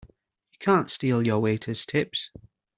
You can't steal your waiters' tips!